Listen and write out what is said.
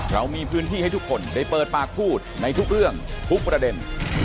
เรามีพื้นที่ให้ทุกคนได้เปิดปากพูดในทุกเรื่องทุกประเด็น